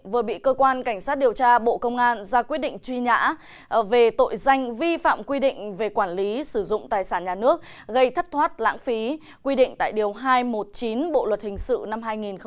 vừa bị cơ quan cảnh sát điều tra bộ công an ra quyết định truy nã về tội danh vi phạm quy định về quản lý sử dụng tài sản nhà nước gây thất thoát lãng phí quy định tại điều hai trăm một mươi chín bộ luật hình sự năm hai nghìn một mươi năm